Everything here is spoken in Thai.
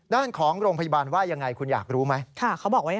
ด้านของโรงพยาบาลว่ายังไงคุณอยากรู้ไหม